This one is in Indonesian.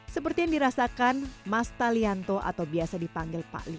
seperti yang dirasakan mas talianto atau biasa dipanggil pak